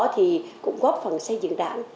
thì cũng góp phần xây dựng đảng